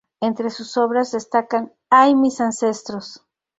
Entre sus obras destacan "¡Ay, mis ancestros!